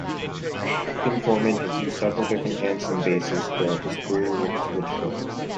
Tim Foreman has used several different amps and basses throughout his career with Switchfoot.